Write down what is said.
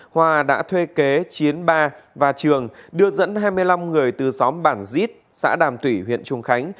hòa đã thuê kế chiến ba và trường đưa dẫn hai mươi năm người từ xóm bản dít xã đàm thủy huyện trung khánh